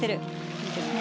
いいですね。